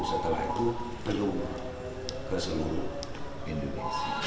setelah itu belum ke seluruh indonesia